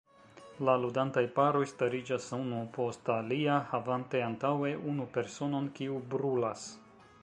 La ludantaj paroj stariĝas unu post alia, havante antaŭe unu personon, kiu "brulas".